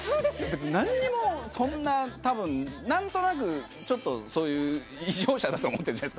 別に何にもそんな多分何となくちょっとそういう異常者だと思ってるんじゃないですか？